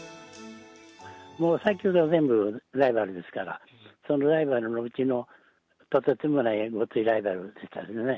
作曲家は全部ライバルですから、そのライバルのうちのとてつもないごっついライバルですね。